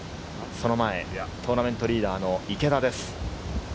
その前、トーナメントリーダーの池田です。